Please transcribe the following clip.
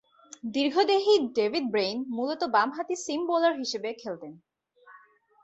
দীর্ঘদেহী David Brain মূলতঃ বামহাতি seam bowler হিসেবে খেলতেন।